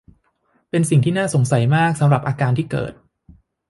เป็นสิ่งน่าสงสัยมากสำหรับอาการที่เกิด